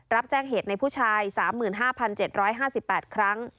รับแจ้งเหตุในผู้ชาย๓๕๗๕๘ครั้ง